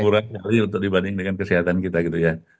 murah sekali untuk dibanding dengan kesehatan kita gitu ya